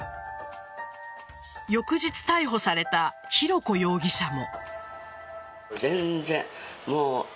翌日、逮捕された浩子容疑者も。